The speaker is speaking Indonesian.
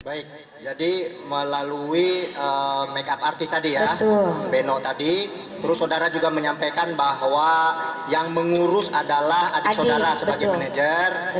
baik jadi melalui make up artis tadi ya beno tadi terus saudara juga menyampaikan bahwa yang mengurus adalah adik saudara sebagai manajer